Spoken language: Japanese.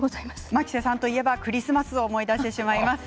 牧瀬さんといえばクリスマスを思い出します。